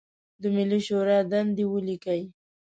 د ملي شورا دندې ولیکئ.